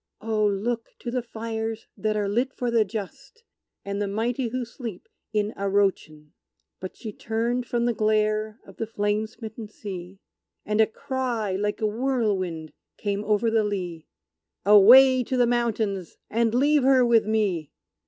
Oh, look to the fires that are lit for the just, And the mighty who sleep in Arrochin!" But she turned from the glare of the flame smitten sea, And a cry, like a whirlwind, came over the lea "Away to the mountains and leave her with me!"